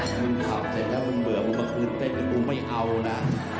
มึงขาวเสร็จแล้วมึงเบื่อมึงมาคืนเต้นมึงไม่เอานะ